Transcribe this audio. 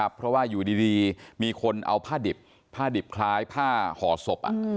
เพราะว่าอยู่ดีมีคนเอาผ้าดิบผ้าดิบคล้ายผ้าห่อศพ